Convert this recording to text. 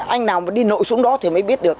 anh nào mà đi nội xuống đó thì mới biết được